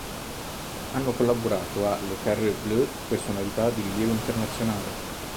Hanno collaborato a Le Carré Bleu personalità di rilievo internazionale.